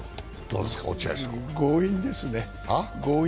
強引ですね。